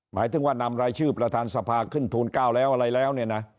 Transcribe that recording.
หมายถึงว่านำรายชื่อประธานสภาขึ้นทูล๙แล้วอะไรแล้วเนี่ยนะ